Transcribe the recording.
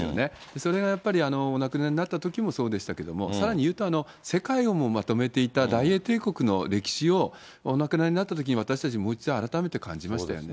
それがやっぱりお亡くなりになったときもそうでしたけれども、さらにいうと、世界をもまとめていた大英帝国の歴史を、お亡くなりになったときに私たち、もう一度改めて感じましたよね。